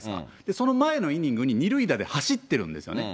その前のイニングに２塁打で走ってるんですよね。